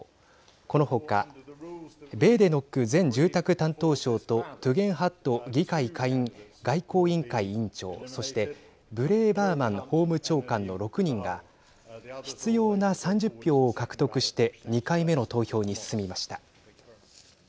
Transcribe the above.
このほかベーデノック前住宅担当相とトゥゲンハット議会下院外交委員会委員長そしてブレーバーマン法務長官の６人が必要な３０票を獲得して２回目の投票に進みました。